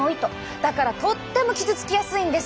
だからとっても傷つきやすいんです。